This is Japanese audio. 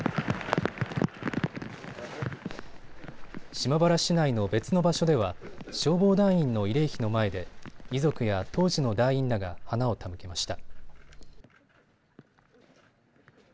島原市内の別の場所では消防団員の慰霊碑の前で遺族や当時の団員らが花を手向けました。